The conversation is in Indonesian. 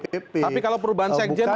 tapi kalau perubahan sekjen